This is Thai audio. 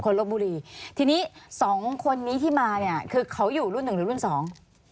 ลบบุรีทีนี้สองคนนี้ที่มาเนี่ยคือเขาอยู่รุ่นหนึ่งหรือรุ่นสอง